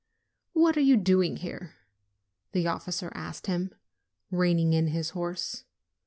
'What are you doing here?" the officer asked him, reining in his horse.